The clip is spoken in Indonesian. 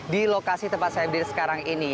di lokasi tempat saya berdiri sekarang ini